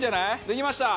できました！